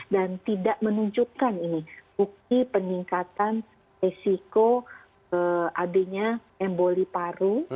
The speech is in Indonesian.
dan tidak menunjukkan ini bukti peningkatan resiko adanya emboli paru